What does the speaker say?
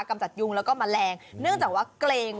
กรรมชาติยุงแล้วก็แมลงเนื่องจากเนื้อว่าเกรงว่าหนอนลูก